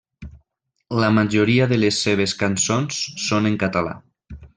La majoria de les seves cançons són en català.